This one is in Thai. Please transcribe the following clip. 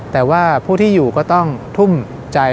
แต่ว่าผู้ที่อยู่ก็ต้องทุ่มใจ